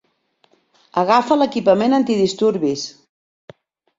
Agafa l'equipament antidisturbis!